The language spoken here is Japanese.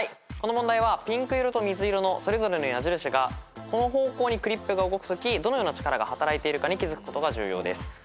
この問題はピンク色と水色のそれぞれの矢印がこの方向にクリップが動くときどのような力が働いているかに気付くことが重要です。